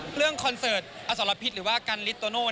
อันที่ถึงคอนเซิร์ย์อสารพิษหรือว่ากันลิสต์โตโน่